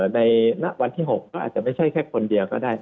ในวันที่๖ก็อาจจะไม่ใช่แค่คนเดียวก็ได้